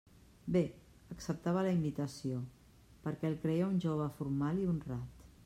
Bé; acceptava la invitació, perquè el creia un jove formal i honrat.